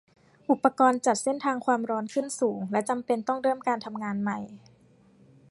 อุปกรณ์จัดเส้นทางความร้อนขึ้นสูง และจำเป็นต้องเริ่มการทำงานใหม่